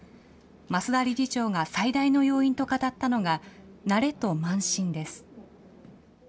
増田理事長が最大の要因と語ったのが、慣れと慢心です。